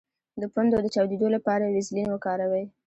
د پوندو د چاودیدو لپاره ویزلین وکاروئ